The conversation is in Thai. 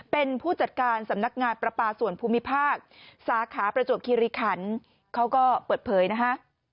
เป็นผู้จัดการสำนักงานประปาส่วนภูมิภาคสาขาประจวบคิริขันเขาก็เปิดเผยนะฮะ